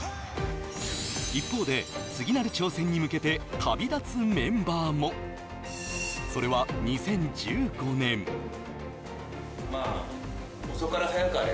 一方で次なる挑戦に向けて旅立つメンバーもそれは２０１５年まあ遅かれ早かれ